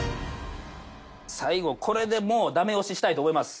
最後これでもうダメ押ししたいと思います。